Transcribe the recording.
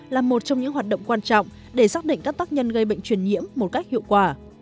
là một trong những hoạt động quan trọng để xác định các tác nhân gây bệnh truyền nhiễm một cách hiệu quả